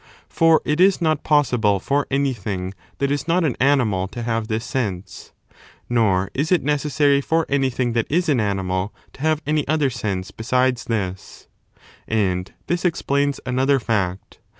For it is not possible for anything that is not an animal to have this sense, nor is it necessary for anything that is an animal to have any other sense Why besides this, And this explains another fact.